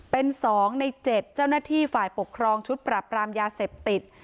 เป็น๒ใน๗เจ้าหน้าที่ฝ่ายปกครองชุดปรับปรามยาเสพติด